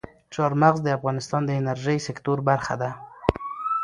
چار مغز د افغانستان د انرژۍ سکتور برخه ده.